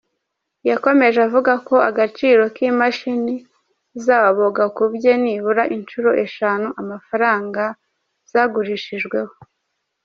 Yakomeje avuga ko agaciro k’imashini zabo gakubye nibura inshuro eshanu amafarnga zagurishijweho.